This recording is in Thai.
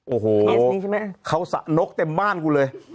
โอ้โหนกเต็มบ้านกูเลย